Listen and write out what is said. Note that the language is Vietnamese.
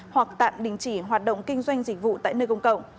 hoặc tạm đình chỉ hoạt động kinh doanh dịch vụ tại nơi công cộng